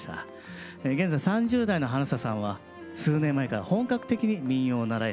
現在３０代の花房さんは数年前から本格的に民謡を習い始め